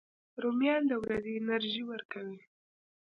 رومیان د ورځې انرژي ورکوي